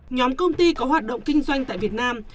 nhóm công ty có hoạt động kinh doanh tại việt nam